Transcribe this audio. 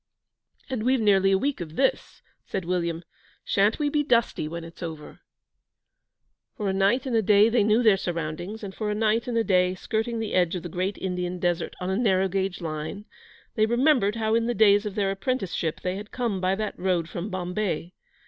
'And we've nearly a week of this,' said William. 'Sha'n't we be dusty when it's over?' For a night and a day they knew their surroundings; and for a night and a day, skirting the edge of the great Indian Desert on a narrow gauge line, they remembered how in the days of their apprenticeship they had come by that road from Bombay.